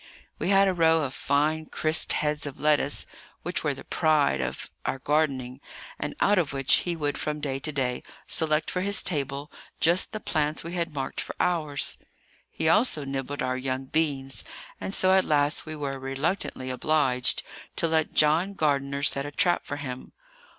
We had a row of fine, crisp heads of lettuce, which were the pride of our gardening, and out of which he would from day to day select for his table just the plants we had marked for ours. He also nibbled our young beans; and so at last we were reluctantly obliged to let John Gardiner set a trap for him.